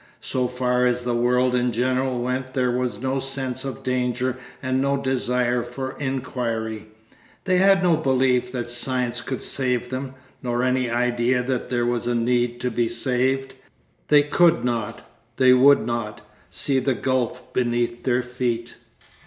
So far as the world in general went there was no sense of danger and no desire for inquiry. They had no belief that science could save them, nor any idea that there was a need to be saved. They could not, they would not, see the gulf beneath their feet.